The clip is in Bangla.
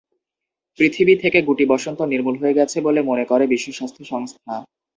পৃথিবী থেকে গুটিবসন্ত নির্মূল হয়ে গেছে বলে মনে করে বিশ্ব স্বাস্থ্য সংস্থা।